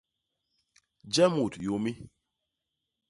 Je mut yômi.